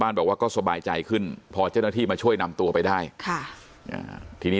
บ้านบอกว่าก็สบายใจขึ้นพอเจ้านาทีมาช่วยนำตัวไปได้ที